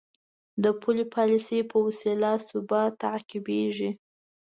د پولي پالیسۍ په وسیله ثبات تعقیبېږي.